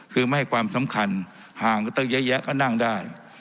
ซึ่งไม่ให้ความสำคัญห่างเตอร์เยอะก็นั่งได้